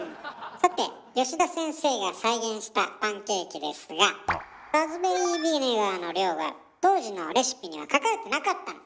さて田先生が再現したパンケーキですがラズベリービネガーの量が当時のレシピには書かれてなかったの。